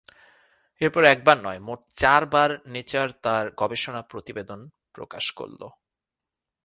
এরপর একবার নয়, মোট চারবার নেচার তাঁর গবেষণা প্রতিবেদন প্রকাশ করল।